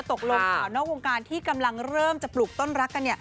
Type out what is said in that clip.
ตกลงข่าวนอกวงการที่กำลังเริ่มจะปลูกต้นรักกัน